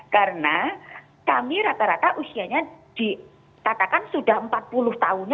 karena kami rata rata usianya disatakan sudah empat puluh tahun